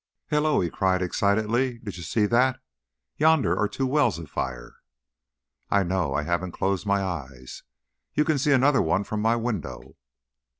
"Hello!" he cried, excitedly. "Did you see that? Yonder are two wells afire." "I know. I haven't closed my eyes. You can see another one from my window."